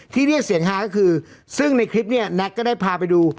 ที่เนี่ยเสียงฮาก็คือซึ่งในคลิปเนี่ยแน็กก็ได้พาไปดู